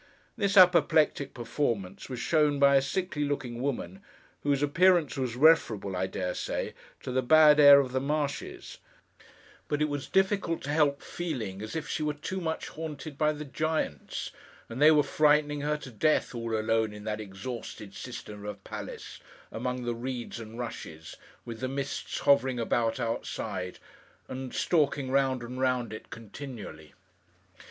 This apoplectic performance was shown by a sickly looking woman, whose appearance was referable, I dare say, to the bad air of the marshes; but it was difficult to help feeling as if she were too much haunted by the Giants, and they were frightening her to death, all alone in that exhausted cistern of a Palace, among the reeds and rushes, with the mists hovering about outside, and stalking round and round it continually.